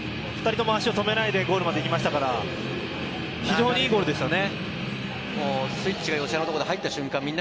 ２人とも足を止めないでゴールまで行きましたから、非常にいいゴールでしたね。